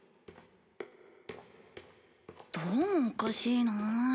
どうもおかしいな。